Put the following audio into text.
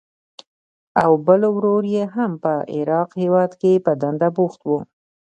او بل ورور یې هم په عراق هېواد کې په دنده بوخت و.